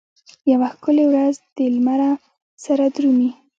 یوه ښکلې ورځ دلمره سره درومي